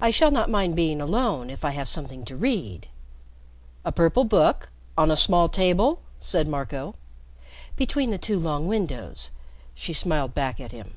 I shall not mind being alone if I have something to read." "A purple book? On a small table?" said Marco. "Between the two long windows," she smiled back at him.